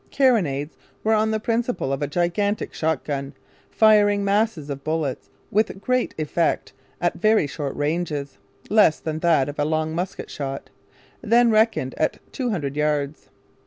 Carronades were on the principle of a gigantic shotgun, firing masses of bullets with great effect at very short ranges less than that of a long musket shot, then reckoned at two hundred yards.